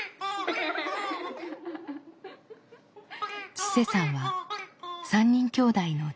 千青さんは３人きょうだいの長女。